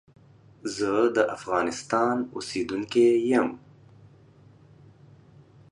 زه دافغانستان اوسیدونکی یم.